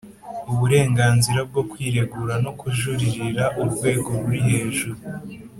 Uburenganzira bwo kwiregura no kujuririra urwego ruri hejuru